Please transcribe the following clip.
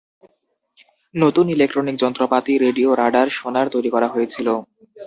নতুন ইলেকট্রনিক যন্ত্রপাতি - radio, radar, sonar - তৈরি করা হয়েছিল।